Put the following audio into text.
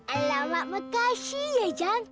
alamak makasih ya cang